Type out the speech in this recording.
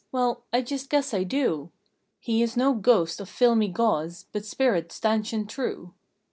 Well, I ^~^ just guess I do! He is no Ghost of filmy gauze, but spirit stanch and true.